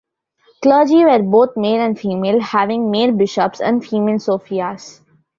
Clergy were both male and female, having male bishops and female sophias.